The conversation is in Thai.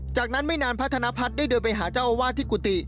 จากนั้นไม่นานพระธนพัฒน์ได้เดินไปหาเจ้าอาวาสที่กุฏิ